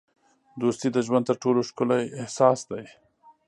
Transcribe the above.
دوستي د ژوند تر ټولو ښکلی احساس دی.